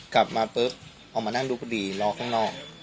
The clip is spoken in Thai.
กลับมาปุ๊บออกมานั่งดูพอดีรอข้างนอก